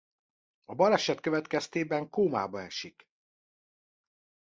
A baleset következtében kómába esik.